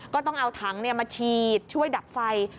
ก็ต้องเอาถังมาฉีดช่วยดับไฟ